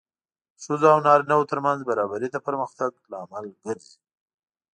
د ښځو او نارینه وو ترمنځ برابري د پرمختګ لامل ګرځي.